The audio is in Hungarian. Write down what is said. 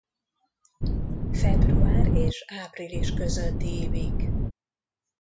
Február és április között ívik.